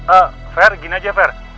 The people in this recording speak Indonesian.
eh fer gini aja fer